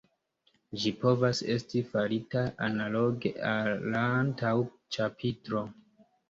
Ĝi povas esti farita analoge al la antaŭ ĉapitro.